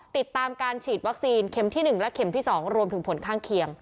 ติดตามการฉีดวัคซีนเข็มที่๑และเข็มที่๒รวมถึงผลข้างเคียง